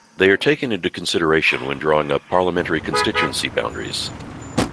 They are taken into consideration when drawing up Parliamentary constituency boundaries.